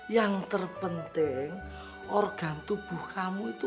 yang terpenting organ tubuh kamu itu